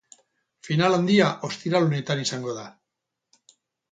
Final handia ostiral honetan izango da.